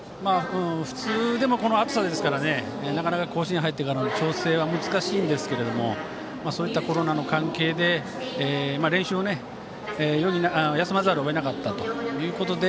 普通でもこの暑さですからなかなか甲子園入ってからの調整は難しいんですけれどもそういったコロナの関係で練習を休まざるを得なかったということで。